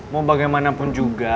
mau bagaimanapun juga